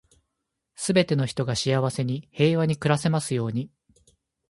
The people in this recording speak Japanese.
全ての人が幸せに、平和に暮らせますように。